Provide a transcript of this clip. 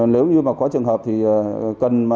nếu như có trường hợp thì cần